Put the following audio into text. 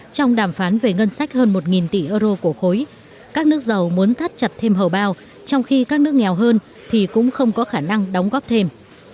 trong đàm phán về ngân sách hơn một tỷ euro của khối các nước giàu muốn thắt chặt thêm hầu bao trong khi các nước nghèo hơn thì cũng không có khả năng đóng góp thêm